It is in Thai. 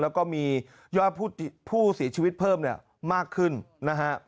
แล้วก็มียอดผู้เสียชีวิตเพิ่มเนี่ยมากขึ้นนะฮะ